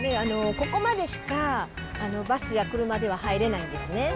ここまでしかバスが車では入れないんですね。